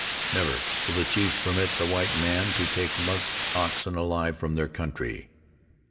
Never will the chiefs permit the white man to take musk oxen alive from their country.